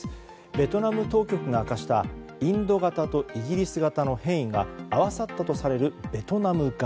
ベトナム当局が明かしたインド型とイギリス型の変異が合わさったとされるベトナム型。